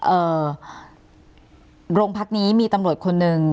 เอ่อโรงพักนี้มีตำรวจคนหนึ่ง